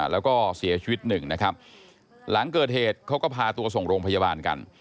แล้วก็เสียชีวิตหนึ่งนะครับหลังเกิดเหตุเขาก็พาตัวส่งโรงพยาบาลกัน